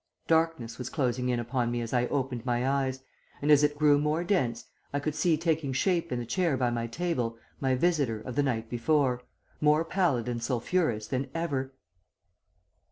"Darkness was closing in upon me as I opened my eyes, and as it grew more dense I could see taking shape in the chair by my table my visitor of the night before, more pallid and sulphurous than ever.